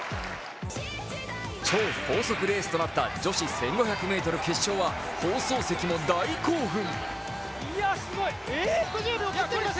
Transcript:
超高速レースとなった女子１５００ｍ決勝は放送席も大興奮。